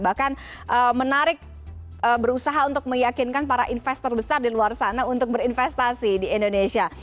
bahkan menarik berusaha untuk meyakinkan para investor besar di luar sana untuk berinvestasi di indonesia